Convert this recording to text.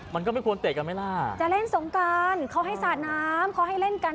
มันก็ไม่ควรเตะกันไหมล่ะจะเล่นสงการเขาให้สาดน้ำเขาให้เล่นกัน